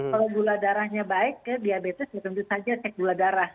kalau gula darahnya baik ke diabetes ya tentu saja cek gula darah